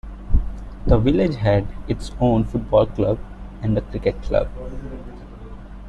The village had its own football club and a cricket club.